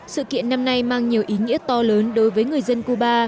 sự kiện năm nay mang nhiều ý nghĩa to lớn đối với người dân cuba